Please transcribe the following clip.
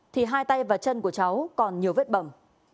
thì hai tay và chân của cháu còn nhiều vết bẩm